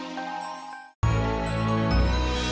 tante aku masuk dulu ya